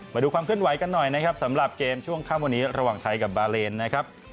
มาดูความเคลื่อนไหวกันหน่อยนะครับสำหรับเกมช่วงค่ำวันนี้ระหว่างไทยกับบาเลนนะครับ